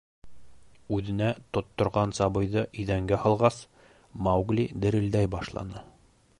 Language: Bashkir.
— Үҙенә тотторған сабыйҙы иҙәнгә һалғас, Маугли дерелдәй башланы.